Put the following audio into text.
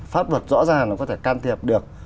pháp luật rõ ràng nó có thể can thiệp được